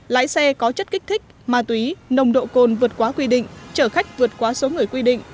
lái xe có chất kích thích ma túy nồng độ cồn vượt quá quy định chở khách vượt qua số người quy định